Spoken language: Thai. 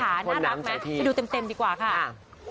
น่ารักไหมไปดูเต็มดีกว่าค่ะ